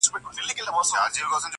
بل موږك سو د جرگې منځته ور وړاندي٫